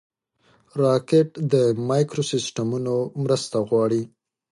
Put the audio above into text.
راکټ د مایکروسیسټمونو مرسته غواړي